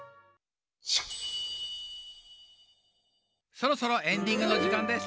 そろそろエンディングのじかんです。